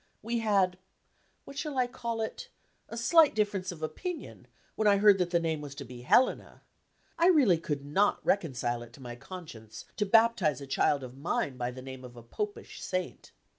We had what shall I call it? a slight difference of opinion when I heard that the name was to be Helena. I really could not reconcile it to my conscience to baptize a child of mine by the name of a Popish saint.